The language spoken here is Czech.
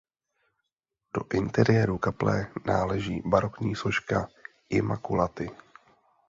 Do interiéru kaple náleží barokní soška Immaculaty.